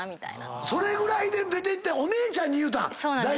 それぐらいでお姉ちゃんに言うたん